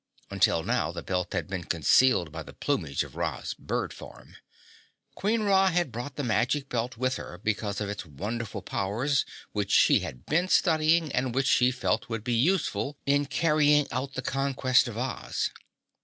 (Until now the belt had been concealed by the plumage of Ra's bird form.) Queen Ra had brought the Magic Belt with her because of its wonderful powers which she had been studying and which she felt would be useful in carrying out the conquest of Oz.